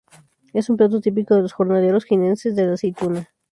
Es un plato típico de los jornaleros jiennenses de la aceituna.